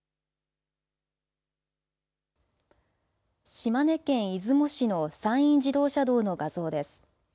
島根県出雲市の山陰自動車道の画像です。